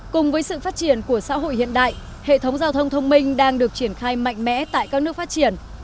cùng với sự phát triển của xã hội hiện đại hệ thống giao thông thông minh đang được triển khai mạnh mẽ tại các nước phát triển